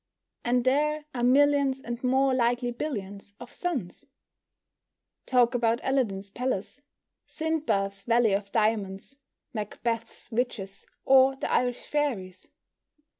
And there are millions, and more likely billions, of suns! Talk about Aladdin's palace, Sinbad's valley of diamonds, Macbeth's witches, or the Irish fairies!